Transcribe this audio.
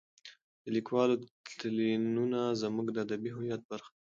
د لیکوالو تلینونه زموږ د ادبي هویت برخه ده.